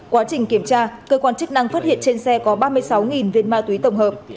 quá trình kiểm tra cơ quan chức năng phát hiện trên xe có ba mươi sáu viên ma túy tổng hợp